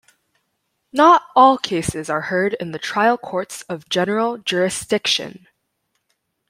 Not all cases are heard in trial courts of general jurisdiction.